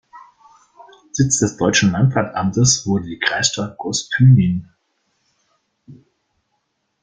Sitz des deutschen Landratsamtes wurde die Kreisstadt Gostynin.